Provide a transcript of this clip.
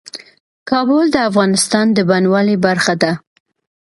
کابل د افغانستان د بڼوالۍ برخه ده.